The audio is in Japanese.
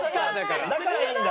だからいいんだ？